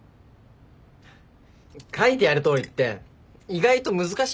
書いてあるとおりって意外と難しいんだぞ。